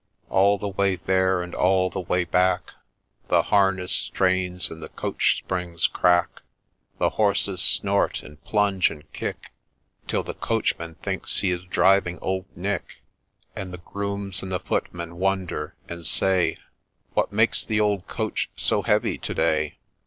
All the way there, and all the way back, The harness strains, and the coach springs crack, The horses snort, and plunge and kick, Till the coachman thinks he is driving Old Nick ; And the grooms and the footmen wonder, and say ' What makes the old coach so heavy to day